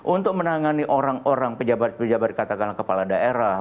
untuk menangani orang orang pejabat pejabat katakanlah kepala daerah